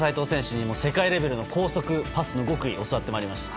ｓにも世界レベルの高速パスの極意を教わってまいりました。